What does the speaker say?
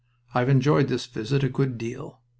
"I've enjoyed this visit a good deal..